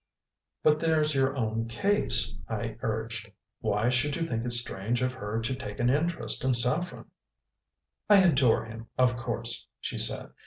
"But there's your own case," I urged. "Why should you think it strange of her to take an interest in Saffren?" "I adore him, of course," she said.